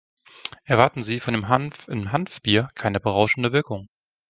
Erwarten Sie von dem Hanf im Hanfbier keine berauschende Wirkung.